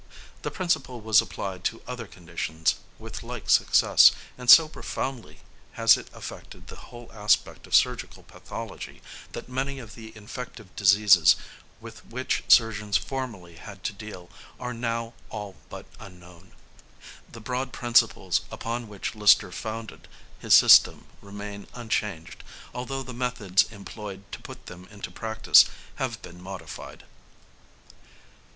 The principle was applied to other conditions with like success, and so profoundly has it affected the whole aspect of surgical pathology, that many of the infective diseases with which surgeons formerly had to deal are now all but unknown. The broad principles upon which Lister founded his system remain unchanged, although the methods employed to put them into practice have been modified.